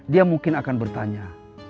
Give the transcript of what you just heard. dia mungkin akan bertanya